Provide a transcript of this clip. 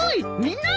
みんな。